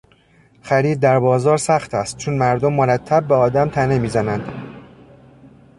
خرید در بازار سخت است چون مردم مرتب به آدم تنه میزنند.